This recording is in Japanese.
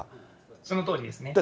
そのとおりですね。